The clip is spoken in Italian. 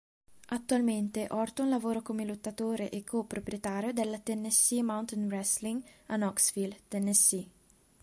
Attualmente Orton lavora come lottatore e co-proprietario della Tennessee Mountain Wrestling a Knoxville, Tennessee.